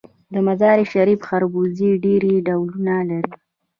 د مزار شریف خربوزې ډیر ډولونه لري.